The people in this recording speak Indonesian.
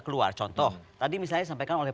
keluar contoh tadi misalnya sampaikan oleh